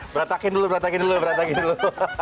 beratakin dulu beratakin dulu beratakin dulu